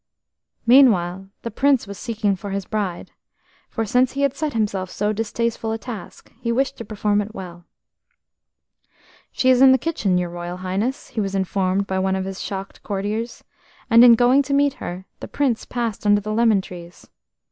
Meanwhile the Prince was seeking for his bride, for since he had set himself so distasteful a task, he wished to perform it well. "She is in the kitchen, your Royal Highness," he was informed by one of his shocked courtiers, and in going to meet her, the Prince passed under the lemon trees.